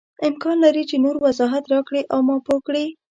امکان لري چې نور وضاحت راکړې او ما پوه کړې.